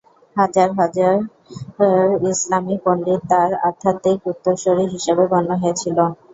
হাজার হাজার ইসলামী পণ্ডিত তাঁর আধ্যাত্মিক উত্তরসূরি হিসাবে গণ্য হয়েছিল।